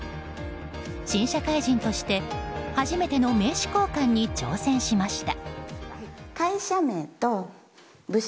新社会人として初めての名刺交換に挑戦しました。